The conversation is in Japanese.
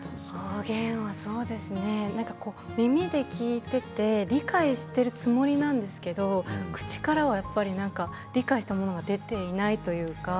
方言は、そうですね耳で聞いていて理解しているつもりなんですけど口からは何か理解したものが出ていないというか